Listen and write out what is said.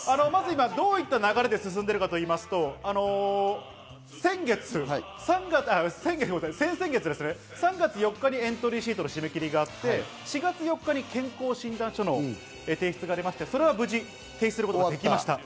今、どういった流れで進んでるかといいますと、先月、先々月、３月４日にエントリーシートの締め切りがあって、４月４日に健康診断書の提出が出まして、それは無事、提出することができました。